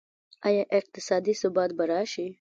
آیا اقتصادي ثبات به راشي؟